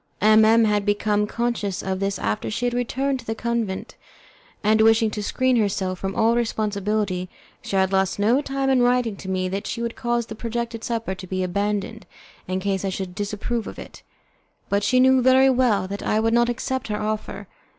M M had become conscious of this after she had returned to the convent, and wishing to screen herself from all responsibility she had lost no time in writing to me that she would cause the projected supper to be abandoned, in case I should disapprove of it, but she knew very well that I would not accept her offer.